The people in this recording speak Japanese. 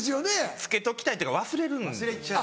つけときたいっていうか忘れるんですよね。